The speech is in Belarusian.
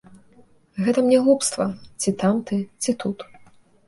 Гэта мне глупства, ці там ты, ці тут.